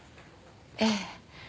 ええ。